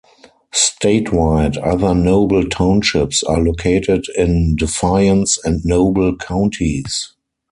Statewide, other Noble Townships are located in Defiance and Noble counties.